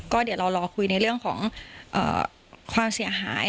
ก็เดี๋ยวเรารอคุยในเรื่องของความเสียหาย